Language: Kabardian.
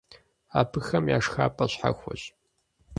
Абыхэм я шхапӀэр щхьэхуэщ.